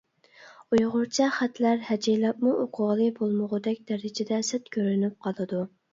ئۇيغۇرچە خەتلەر ھەجىلەپمۇ ئوقۇغىلى بولمىغۇدەك دەرىجىدە سەت كۆرۈنۈپ قالىدۇ.